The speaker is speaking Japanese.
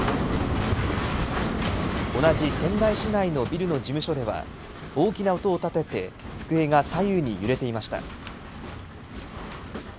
同じ仙台市内のビルの事務所では大きな音を立てて机が左右に揺れていました。